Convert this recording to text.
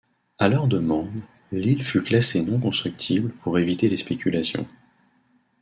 À leur demande, l'île fut classée non constructible pour éviter les spéculations.